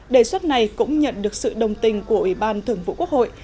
đề xuất này cũng nhận được sự đồng tình của ủy ban thường vụ quốc hội